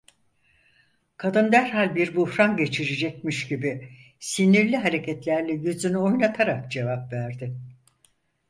Kadın derhal bir buhran geçirecekmiş gibi sinirli hareketlerle yüzünü oynatarak cevap verdi: